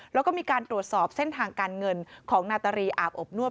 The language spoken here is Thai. แล้วก็มีการตรวจสอบเส้นทางการเงินของนาตรีอาบอบนวด